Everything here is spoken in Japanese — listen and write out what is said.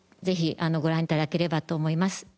ぜひご覧頂ければと思います。